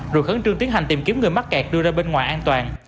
rồi khấn trương tiến hành tìm kiếm người mắc kẹt đưa ra bên ngoài an toàn